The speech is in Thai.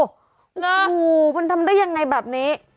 หรืออู้มันทำได้ยังไงแบบนี้